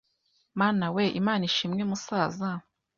Mana weee Imana ishimwe musaza.